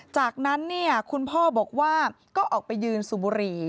จากนั้นคุณพ่อบอกว่าก็ออกไปยืนสุบุรี